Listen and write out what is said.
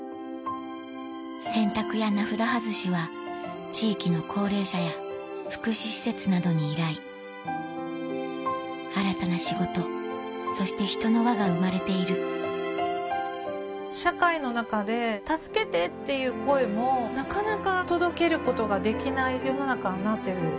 洗濯や名札外しは地域の高齢者や福祉施設などに依頼新たな仕事そして人の輪が生まれている社会の中で助けてっていう声もなかなか届けることができない世の中になってる。